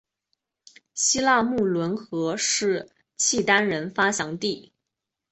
西拉木伦河是契丹人发祥地。